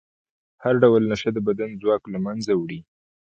هر ډول نشه د بدن ځواک له منځه وړي.